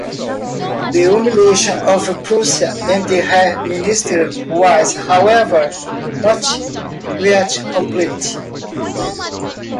The humiliation of Prussia and her minister was, however, not yet complete.